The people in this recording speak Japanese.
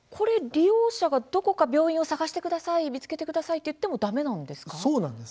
利用者がどこか病院を探してください見つけてくださいと言ってもだめなんですか。